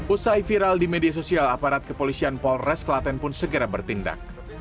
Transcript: usai viral di media sosial aparat kepolisian polres kelaten pun segera bertindak